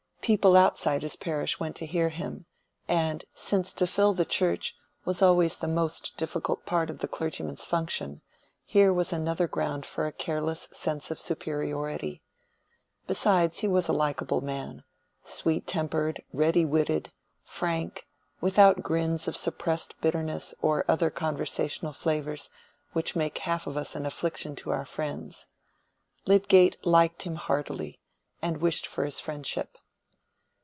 People outside his parish went to hear him; and, since to fill the church was always the most difficult part of a clergyman's function, here was another ground for a careless sense of superiority. Besides, he was a likable man: sweet tempered, ready witted, frank, without grins of suppressed bitterness or other conversational flavors which make half of us an affliction to our friends. Lydgate liked him heartily, and wished for his friendship.